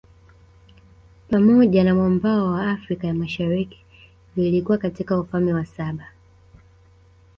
Pamoja na mwambao wa Afrika ya Mashariki vilikuwa katika Ufalme wa saba